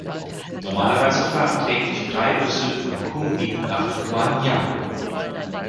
Normalerweise fahren täglich drei Busse von Kunming nach Yuanyang.